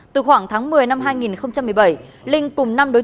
từ khoảng tháng một mươi năm hai nghìn một mươi bảy